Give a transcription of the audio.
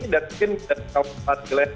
dan mungkin kalau pas geles